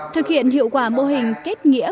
thực hiện hiệu quả mô hình kết nghĩa của